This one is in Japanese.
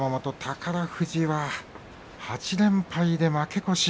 宝富士は８連敗で負け越し。